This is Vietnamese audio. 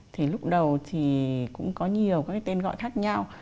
thì lúc đầu thì cũng có nhiều các cái tên gọi khác nhau